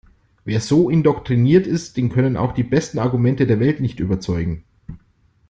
Wer so indoktriniert ist, den können auch die besten Argumente der Welt nicht überzeugen.